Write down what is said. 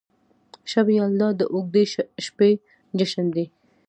شب یلدا د اوږدې شپې جشن دی.